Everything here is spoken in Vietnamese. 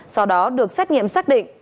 sau đó được xét nghiệm xác định